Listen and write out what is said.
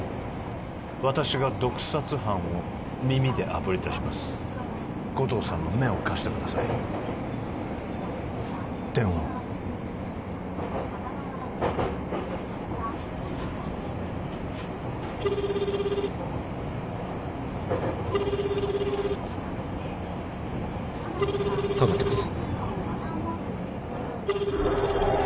私が毒殺犯を耳であぶり出します護道さんの目を貸してください電話をかかってます